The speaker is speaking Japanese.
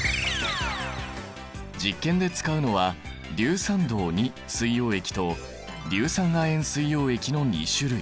実験で使うのは硫酸銅水溶液と硫酸亜鉛水溶液の２種類。